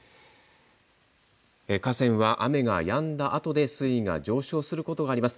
河川は雨がやんだあとで水位が上昇することがあります。